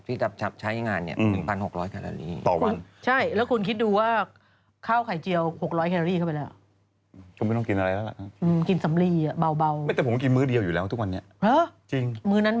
ที่จะใช้งานเนี่ย๑๖๐๐คาโรลี่ต่อวัน